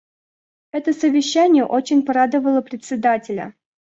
Это Совещание очень порадовало Председателя.